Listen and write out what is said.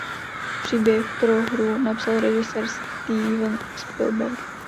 Příběh pro hru napsal režisér Steven Spielberg.